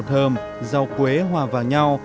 rau thơm rau quế hòa vào nhau